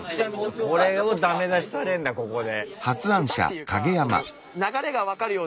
これをダメ出しされんだここで。